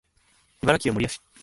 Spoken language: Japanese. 茨城県守谷市